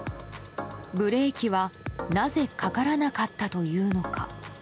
ブレーキは、なぜかからなかったというのか。